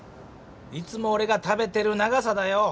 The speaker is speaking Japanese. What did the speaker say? いつもおれが食べてる長さだよ！